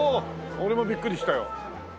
俺もびっくりしたよ。